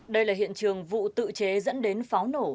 đây là hiện trường vụ tự chế dẫn đến pháo nổ